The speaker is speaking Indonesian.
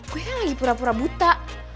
gue lagi pura pura buta